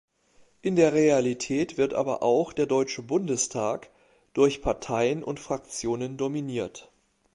In der Realität wird aber auch der Deutsche Bundestag durch Parteien und Fraktionen dominiert.